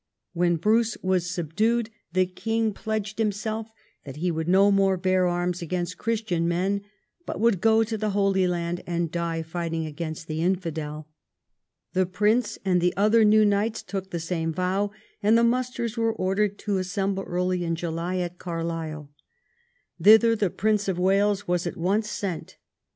When Bruce was subdued, the king pledged himself that he would no more bear arms against Christian men, but would go to the Holy Land and die fighting against the infidel. The prince and the other new knights took the same vow, and the musters were ordered to assemble early in July at Carlisle. Thither the Prince of Wales was at once sent.